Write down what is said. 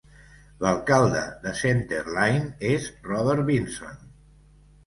L'alcalde de Center Line és Robert Binson.